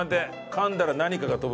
噛んだら何かが飛ぶ。